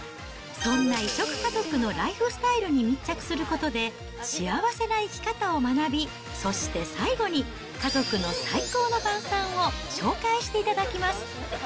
そんな異色家族のライフスタイルに密着することで、幸せな生き方を学び、そして最後に家族の最高の晩さんを紹介していただきます。